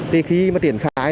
thì khi mà tiển khai